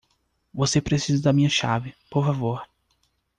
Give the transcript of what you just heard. Você precisa da minha chave, por favor.